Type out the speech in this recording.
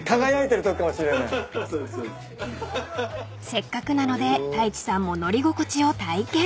［せっかくなので太一さんも乗り心地を体験］